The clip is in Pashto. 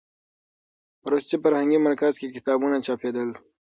په روسي فرهنګي مرکز کې کتابونه چاپېدل.